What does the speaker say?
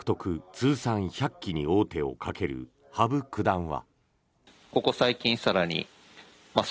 通算１００期に王手をかける羽生九段は。